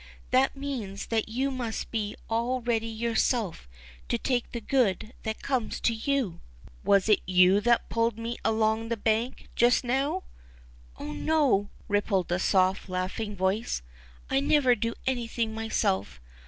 That means that you must be all ready yourself to take the good that comes to you." UNDER THE PLUM TREE. 39 ^^Was it you that pulled me along the bank just c) yy now i Oh, no ! rippled the soft laughing voice ; I never do anything myself.